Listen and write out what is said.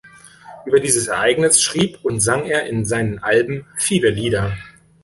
Über dieses Ereignis schrieb und sang er in seinen Alben viele Lieder.